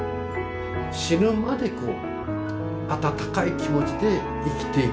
死ぬまでこう温かい気持ちで生きていく。